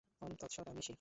ওম তৎ সৎ, আমিই সেই।